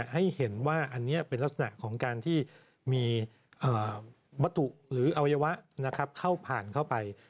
ให้เห็นว่าอันนี้เป็นลักษณะของการที่มีวัตถุหรืออวัยวะเข้าผ่านเข้าไป